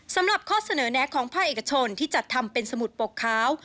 สำหรับข้อเสนอแนะของภาคเอกชนที่จัดทำเป็นสมุดปกขาว